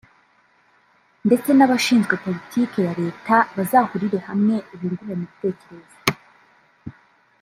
ndetse n’abashinzwe politiki ya Leta bazahurire hamwe bungurane ibitekerezo